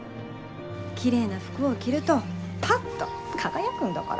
綺麗な服を着るとパッと輝くんだから。